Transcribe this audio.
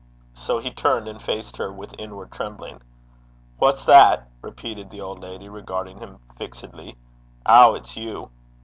So he turned and faced her with inward trembling. 'Wha's that?' repeated the old lady, regarding him fixedly. 'Ow, it's you!